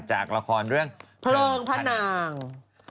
จากละครเรื่องพลงพันธุ์